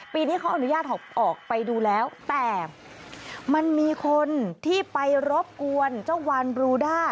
ปีนี้เขาอนุญาตออกไปดูแล้วแต่มันมีคนที่ไปรบกวนเจ้าวานบรูด้า